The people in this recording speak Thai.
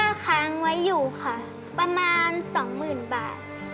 ก็ค้างไว้อยู่ค่ะประมาณสองหมื่นบาท